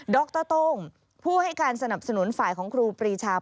รโต้งผู้ให้การสนับสนุนฝ่ายของครูปรีชา